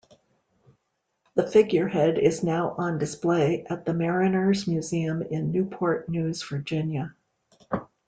The figurehead is now on display at The Mariners' Museum in Newport News, Virginia.